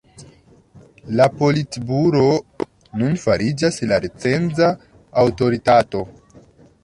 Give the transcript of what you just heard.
La Politburoo nun fariĝas la recenza aŭtoritato.